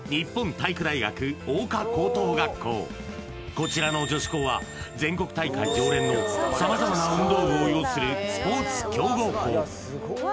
こちらの女子校は全国大会常連のさまざまな運動部を擁するスポーツ強豪校。